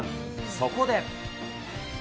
そこで。